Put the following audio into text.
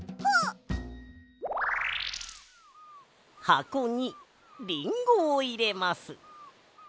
はこにりんごをいれます。